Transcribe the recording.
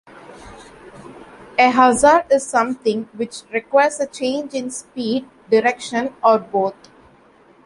A hazard is something which requires a change in speed, direction or both.